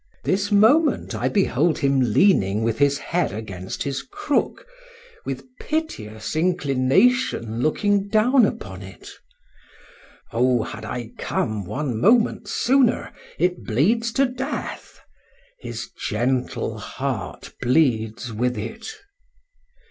—This moment I behold him leaning with his head against his crook, with piteous inclination looking down upon it!—Oh! had I come one moment sooner! it bleeds to death!—his gentle heart bleeds with it.